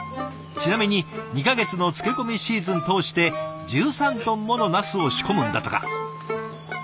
ちなみに２か月の漬け込みシーズン通して１３トンものナスを仕込むんだとか。